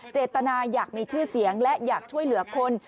เจตนาอยากมีชื่อเสียงและอยากช่วยเหลือคน